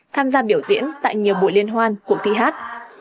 tham gia biểu diễn tại nhiều buổi liên hoan cuộc thi hát